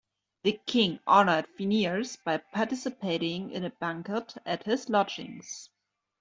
The king honoured Phineas by participating in a banquet at his lodgings.